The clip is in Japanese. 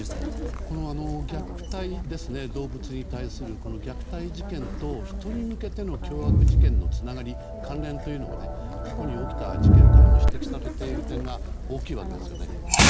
この動物に対する虐待事件と人に向けての凶悪事件のつながりや関連というのは過去に起きた事件からも指摘されている点が大きいわけですよね。